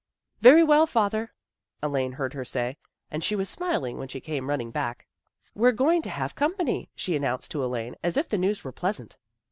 " Very well, father," Elaine heard her say, and she was smiling when she came running back. " We're going to have company," she an nounced to Elaine as if the news were pleasant.